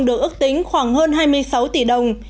được ước tính khoảng hơn hai mươi sáu tỷ đồng